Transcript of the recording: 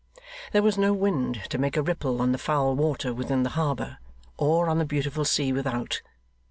There was no wind to make a ripple on the foul water within the harbour, or on the beautiful sea without.